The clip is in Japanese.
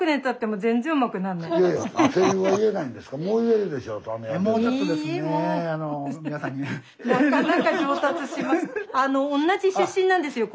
もうちょっとですね。